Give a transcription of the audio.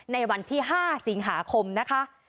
ในวันที่๕สิงหาคมนะคะ